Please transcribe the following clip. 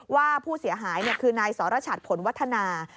ว่าผู้เสียหายคือนายสรชัดผลวัฒนา